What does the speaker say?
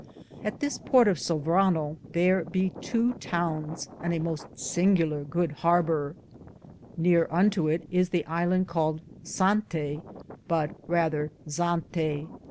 At this porte of Saffranee^ thare be tow tounes, and a moste singuler good harber. Neare unto it is the iland caled Sante, but rether Zante.